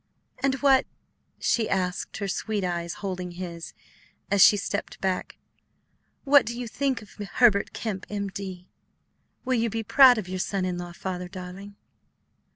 "And what," she asked, her sweet eyes holding his as she stepped back, "what do you think of Herbert Kemp, M. D.? Will you be proud of your son in law, Father darling?"